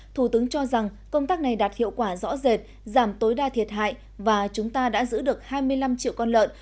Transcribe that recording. thủ tướng cho rằng công tác này đạt hiệu quả rõ rệt giảm tối đa thiệt hại và chúng ta đã giữ được hai mươi năm triệu con lợn